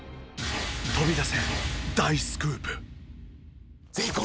飛び出せ大スクープ！